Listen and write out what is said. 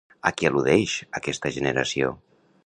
A què al·ludeix aquesta generació?